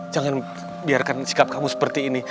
jangan biarkan sikap kamu seperti ini